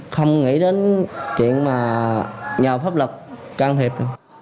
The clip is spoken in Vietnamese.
không nghĩ đến chuyện mà nhờ pháp luật can thiệp